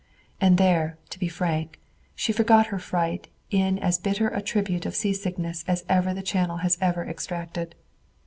And there, to be frank, she forgot her fright in as bitter a tribute of seasickness as even the channel has ever exacted.